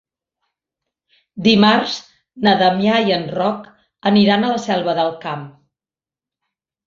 Dimarts na Damià i en Roc aniran a la Selva del Camp.